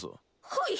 はい。